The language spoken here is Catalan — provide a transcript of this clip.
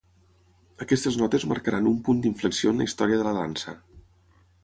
Aquestes notes marcaran un punt d'inflexió en la història de la dansa.